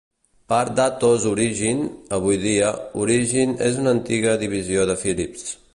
Part d'Atos Origin avui dia, Origin és una antiga divisió de Philips.